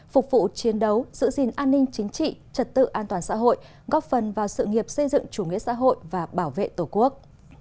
phục vụ chiến đấu giữ gìn an ninh chính trị trật tự an toàn xã hội góp phần vào sự nghiệp xây dựng chủ nghĩa xã hội và bảo vệ tổ quốc